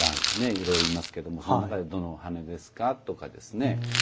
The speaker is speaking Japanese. いろいろいますけどもその中でどの羽根ですか？とかですね。